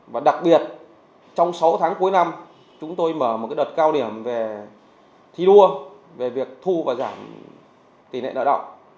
và đặc biệt trong sáu tháng cuối năm chúng tôi mở một đợt cao điểm về thi đua về việc thu và giảm tỷ lệ nợ động